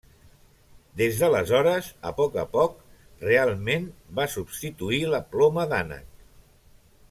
Des d'aleshores a poc a poc realment va substituir la ploma d'ànec.